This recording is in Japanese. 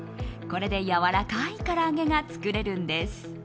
これで、やわらかいから揚げが作れるんです。